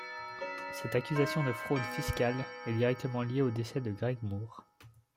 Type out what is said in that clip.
Cette accusation de fraude fiscale est directement liée au décès de Greg Moore.